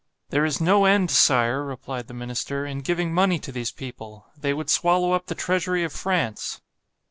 —There is no end, Sire, replied the minister, in giving money to these people—they would swallow up the treasury of _France.